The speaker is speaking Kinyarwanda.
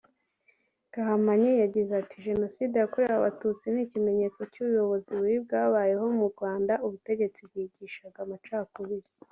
Gahamanyi yagize ati “Jenoside yakorewe Abatutsi ni ikimenyetso cy’ubuyobozi bubi bwabayeho mu Rwanda ubutegetsi bwigishaga amacakubiri